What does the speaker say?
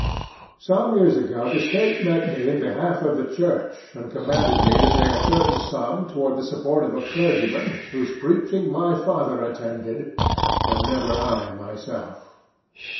Some years ago, the State met me in behalf of the church, and commanded me to pay a certain sum toward the support of a clergyman whose preaching my father attended, but never I myself.